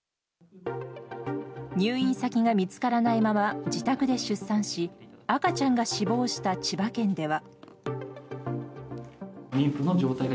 入院先が見つからないまま自宅で出産し赤ちゃんが死亡した千葉県では。